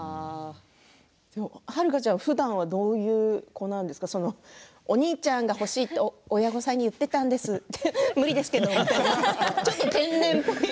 遥ちゃんはふだんはどういう子なんですかお兄ちゃんが欲しいと親御さんに言っていたんですって無理ですけど、って。